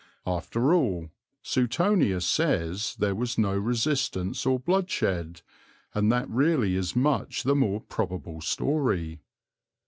After all, Suetonius says there was no resistance or bloodshed, and that really is much the more probable story.